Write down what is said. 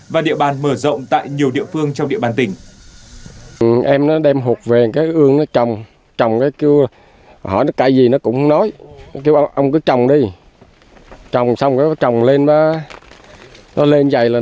và địa bàn mở rộng tại nhiều địa phương trong địa bàn tỉnh